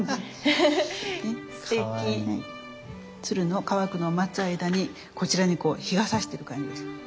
鶴の乾くのを待つ間にこちらにこう日がさしてる感じです。